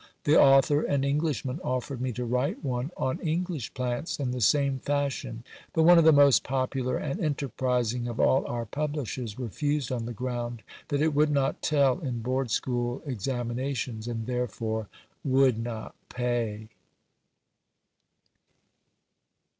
The author, an Englishman, offered me to write one on English plants in the same fashion; but one of the most popular and enterprising of all our publishers refused on the ground that it would not tell in Board School examinations and therefore would not pay."